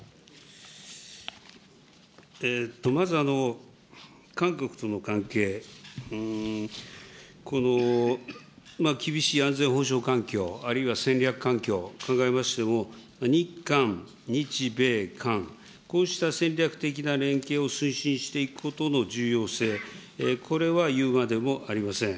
まず、韓国との関係、厳しい安全保障環境、あるいは戦略環境を考えましても、日韓、日米韓、こうした戦略的な連携を推進していくことの重要性、これはいうまでもありません。